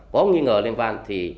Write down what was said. có nghi ngờ liên quan thì